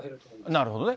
なるほどね。